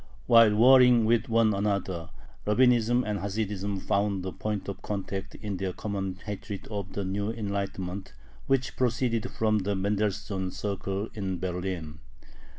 While warring with one another, Rabbinism and Hasidism found a point of contact in their common hatred of the new Enlightenment, which proceeded from the Mendelssohn circle in Berlin.